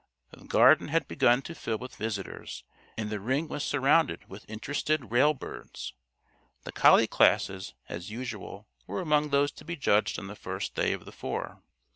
The Garden had begun to fill with visitors, and the ring was surrounded with interested "rail birds." The collie classes, as usual, were among those to be judged on the first day of the four.